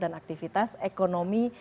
dan aktivitas ekonomi